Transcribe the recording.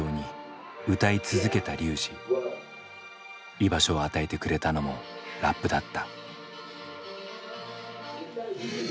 居場所を与えてくれたのもラップだった。